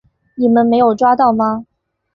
你们没有抓到吗？